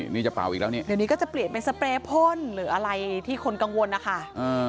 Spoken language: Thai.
เดี๋ยวนี้ก็จะเปลี่ยนเป็นสเปรย์พ่นหรืออะไรที่คนกังวลนะคะ